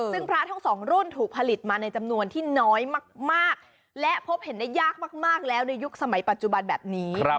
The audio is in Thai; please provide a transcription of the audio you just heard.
ซึ่งพระทั้งสองรุ่นถูกผลิตมาในจำนวนที่น้อยมากและพบเห็นได้ยากมากแล้วในยุคสมัยปัจจุบันแบบนี้